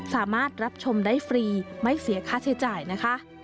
สามารถรับชมได้ฟรีไม่เสียค่าใช้จ่ายนะคะ